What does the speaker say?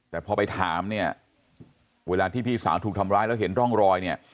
แต่พอไปถามเนี่ยเวลาที่พี่สาวถูกทำร้ายแล้วเห็นร่องรอยเนี่ย